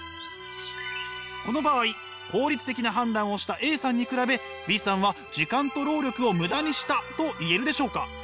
この場合効率的な判断をしたＡさんに比べＢさんは時間と労力をムダにしたと言えるでしょうか？